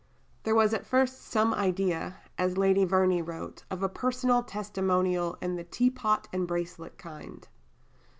There was at first some idea, as Lady Verney wrote, of a personal testimonial in the "teapot and bracelet" kind.